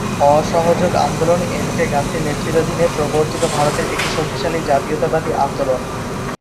অসহযোগ আন্দোলন এম.কে গান্ধীর নেতৃত্বাধীনে প্রবর্তিত ভারতের একটি শক্তিশালী জাতীয়তাবাদী আন্দোলন।